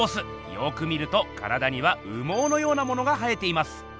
よく見ると体には羽毛のようなものが生えています。